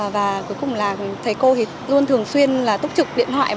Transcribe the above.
và cuối cùng là thầy cô luôn thường xuyên tốc trực điện thoại